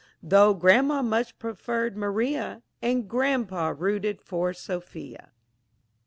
Though grandma much preferred Maria, And grandpa rooted for Sophia.